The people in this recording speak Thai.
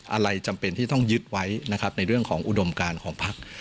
อะไรจำเป็นที่ต้องยึดไว้นะครับในเรื่องของอุดมการของพัก